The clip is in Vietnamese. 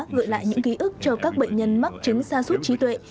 gửi lại những ký ức cho các bệnh nhân mắc chứng xa suốt trí tuệ